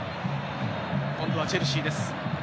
今度はチェルシーです。